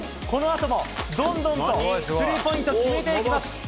このあともどんどんとスリーポイントを決めていきます。